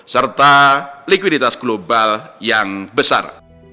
serta likuiditas global yang besar